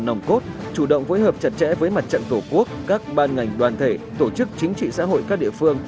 nòng cốt chủ động phối hợp chặt chẽ với mặt trận tổ quốc các ban ngành đoàn thể tổ chức chính trị xã hội các địa phương